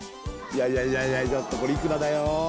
いやいやいやちょっとこれいくらだよ